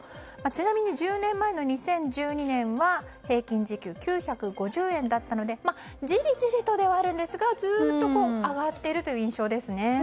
ちなみに１０年前の２０１２年は１か月当たり９５０円だったのでじりじりとではあるんですがずっと上がっているという印象ですね。